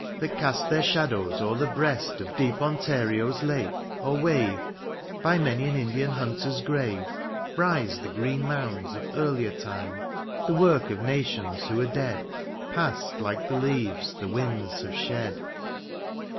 That cast their shadows o'er the breast THE AREOPAGITE. Of deep Ontario's lake, or wave By many an Indian hunter's grave, Rise the green moonds of earlier time ; (d) The work of nations, who are dead. Past like the leaves the winds have shed.